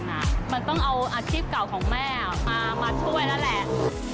เหมือนต้องเอาอาชีพกล่าวของแม่มาช่วยนั่นแหละ